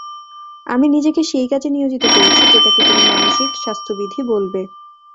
আমি নিজেকে সেই কাজে নিয়োজিত করেছি যেটাকে তুমি মানসিক স্বাস্থ্যবিধি বলবে।